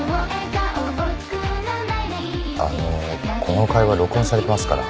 あのこの会話録音されてますから。